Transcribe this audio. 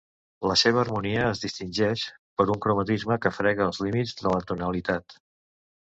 La seva harmonia es distingeix per un cromatisme que frega els límits de l'atonalitat.